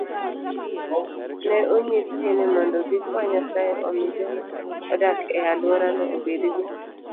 Ne onyisgi ni mondo gikwa Nyasaye omi joma odak e alworano obed gi